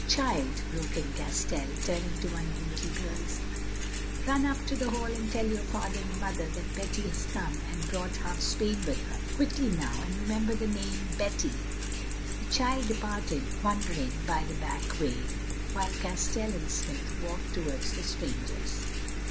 '" "Child," broke in Castell, turning to one of the little girls, "run up to the Hall and tell your father and mother that Betty has come, and brought half Spain with her. Quickly now, and remember the name, Betty!" The child departed, wondering, by the back way; while Castell and Smith walked towards the strangers.